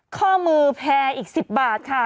ข้อมือแพรอีก๑๐บาทค่ะ